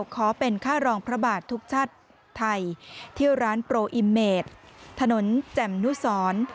ขอเป็นค่ารองพระบาททุกชาติไทยที่ร้านโปรอิมเมดถนนแจ่มนุสร